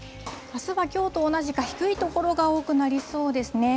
あすはきょうと同じか低い所が多くなりそうですね。